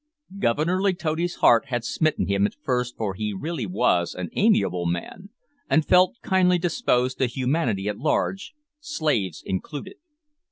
Governor Letotti's heart had smitten him at first for he really was an amiable man, and felt kindly disposed to humanity at large, slaves included.